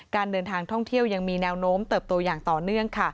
การเดินทางท่องเที่ยวยังมีแนวโน้มเติบโตอย่างต่อเนื่อง